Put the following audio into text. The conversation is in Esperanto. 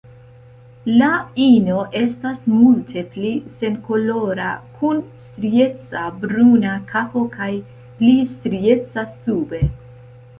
La ino estas multe pli senkolora, kun strieca bruna kapo kaj pli strieca sube.